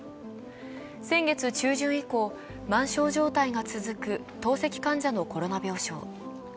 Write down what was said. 先月中旬以降、満床状態が続く透析患者のコロナ病床。